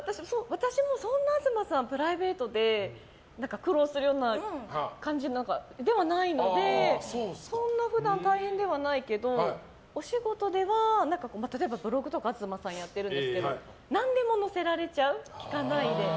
私もそんな東さん、プライベートで苦労するような感じではないのでそんな普段大変ではないけどお仕事では例えばブログとか東さんやってるんですけど何でも載せられちゃう聞かないで。